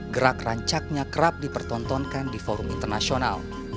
gerak rancaknya kerap dipertontonkan di forum internasional